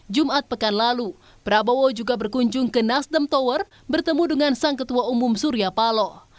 jumat pekan lalu prabowo juga berkunjung ke nasdem tower bertemu dengan sang ketua umum surya paloh